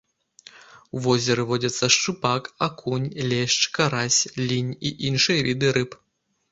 У возеры водзяцца шчупак, акунь, лешч, карась, лінь і іншыя віды рыб.